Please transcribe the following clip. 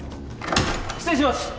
失礼します！